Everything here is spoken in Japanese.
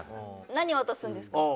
何渡すんですか？